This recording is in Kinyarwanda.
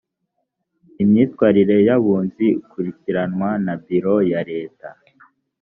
imyitwarire y abunzi ikurikiranwa na biro ya leta